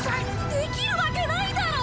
できるわけないだろ！